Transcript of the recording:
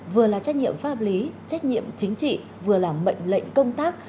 vừa là trách nhiệm pháp lý trách nhiệm chính trị vừa là mệnh lệnh công tác